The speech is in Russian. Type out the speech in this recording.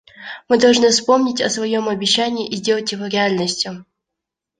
Мы должны вспомнить о своем обещании и сделать его реальностью.